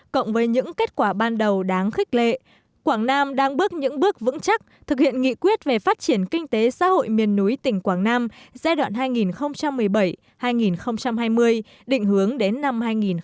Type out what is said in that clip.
cộng với những kết quả ban đầu đáng khích lệ quảng nam đang bước những bước vững chắc thực hiện nghị quyết về phát triển kinh tế xã hội miền núi tỉnh quảng nam giai đoạn hai nghìn một mươi bảy hai nghìn hai mươi định hướng đến năm hai nghìn hai mươi năm